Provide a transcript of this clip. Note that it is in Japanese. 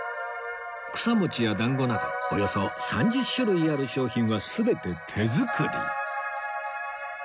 草餅や団子などおよそ３０種類ある商品は全て手作り